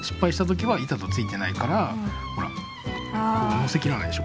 のせきらないでしょ